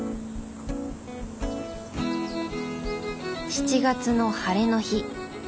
７月の晴れの日。